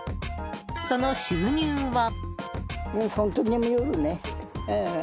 その収入は。